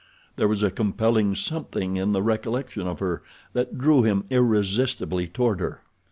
There was a compelling something in the recollection of her that drew him irresistibly toward her.